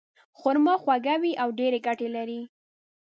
خرما خواږه وي او ډېرې ګټې لري.